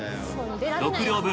６両分